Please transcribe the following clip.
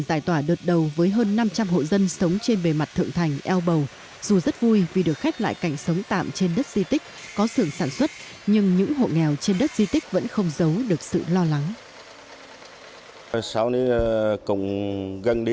tại tòa đợt đầu với hơn năm trăm linh hộ dân sống trên bề mặt thượng thành eo bầu dù rất vui vì được khép lại cạnh sống tạm trên đất di tích có xưởng sản xuất nhưng những hộ nghèo trên đất di tích vẫn không giấu được sự lo lắng